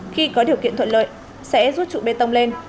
khi có điều kiện thuận lợi sẽ rút trụ bê tông lên